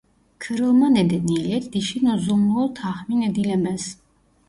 Kırılma nedeniyle dişin uzunluğu tahmin edilemez.